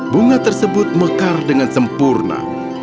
bunga tersebut mekar dengan sempurna